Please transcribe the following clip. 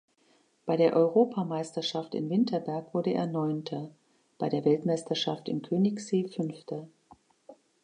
Bei der Europameisterschaft in Winterberg wurde er Neunter, bei der Weltmeisterschaft in Königssee Fünfter.